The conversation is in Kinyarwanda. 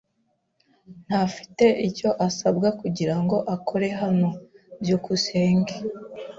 Ntafite icyo asabwa kugirango akore hano. byukusenge